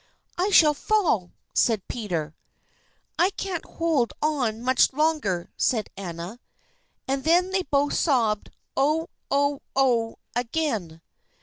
"I shall fall," said Peter. "I can't hold on much longer," said Anna. And then they both sobbed "Oh! oh! oh!" again.